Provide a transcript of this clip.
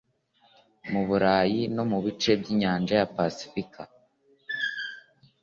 mu Burayi no mu bice by'inyanja ya Pasifika